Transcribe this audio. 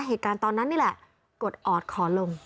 เหตุการณ์ตอนนั้นนี่แหละกดออดขอลง